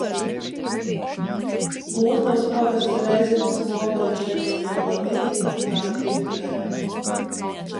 Lūznavas pagasts ir Rēzeknes novada teritoriāla vienība tā dienvidu daļā.